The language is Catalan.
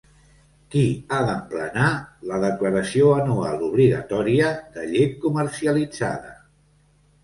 Qui ha d'emplenar la declaració anual obligatòria de llet comercialitzada?